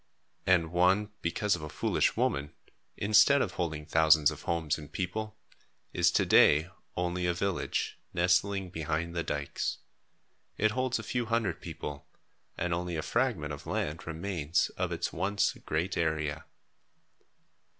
And one, because of a foolish woman, instead of holding thousands of homes and people, is to day only a village nestling behind the dykes. It holds a few hundred people and only a fragment of land remains of its once great area.